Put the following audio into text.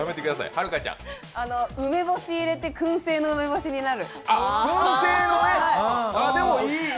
梅干し入れてくん製の梅干しになる。